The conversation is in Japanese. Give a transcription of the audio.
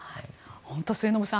本当に末延さん